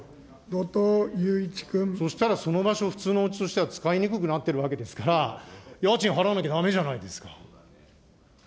そしたら、その場所、普通のうちとしては使いにくくなっているわけですから、家賃払わなきゃだめじゃないですか。